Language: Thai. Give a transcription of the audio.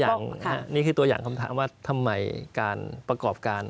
ยังนี่คือตัวอย่างคำถามว่าทำไมการประกอบการ